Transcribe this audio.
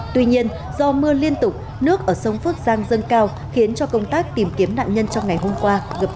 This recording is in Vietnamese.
tuy nhiên do mưa liên tục nước ở sông phước giang dâng cao khiến cho công tác tìm kiếm nạn nhân trong ngày hôm qua gặp nhiều khó khăn